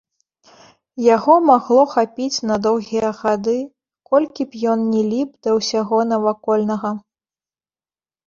Яго магло хапіць на доўгія гады, колькі б ён ні ліп да ўсяго навакольнага.